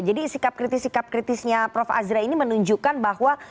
jadi sikap kritis sikap kritisnya prof azra ini menunjukkan bahwa